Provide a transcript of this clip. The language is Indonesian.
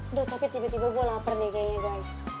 udah tapi tiba tiba gue lapar nih kayaknya guys